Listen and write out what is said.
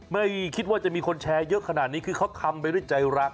ไม่คิดว่าจะมีคนแชร์เยอะขนาดนี้คือเขาทำไปด้วยใจรัก